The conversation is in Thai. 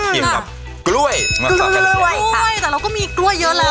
กล้วยกล้วยแต่เราก็มีกล้วยเยอะแล้วนะใช่ค่ะ